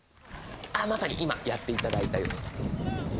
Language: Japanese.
あまさに今やって頂いたように。